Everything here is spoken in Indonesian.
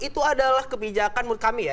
itu adalah kebijakan menurut kami ya